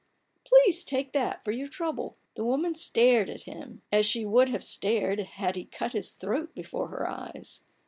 " Please take that for your trouble." The woman stared at him, as she would have stared had he cut his throat before her eyes.